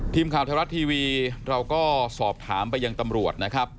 ทีมข่าวไทยรัฐทีวีเราก็สอบถามไปยังตำรวจนะครับ